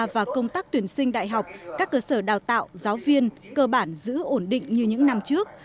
và công tác tuyển sinh đại học các cơ sở đào tạo giáo viên cơ bản giữ ổn định như những năm trước